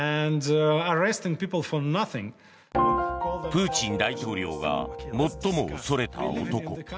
プーチン大統領が最も恐れた男。